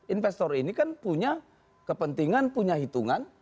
investor ini kan punya kepentingan punya hitungan